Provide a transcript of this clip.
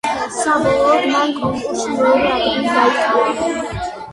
საბოლოოდ მან კონკურსში მეორე ადგილი დაიკავა.